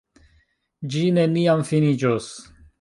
Ĝi neniam finiĝos!